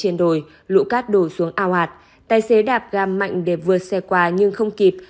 trên đồi lũ cát đổ xuống ao hạt tài xế đạp ga mạnh để vượt xe qua nhưng không kịp